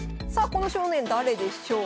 この少年誰でしょう？